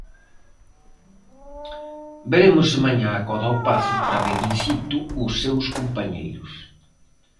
Veremos se mañá acode ao Pazo para ver in situ os seus compañeiros.